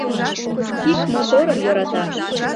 Ик моторым йӧрата.